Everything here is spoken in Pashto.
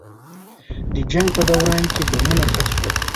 د جنګ په دوران کې بمونه ښخ شول.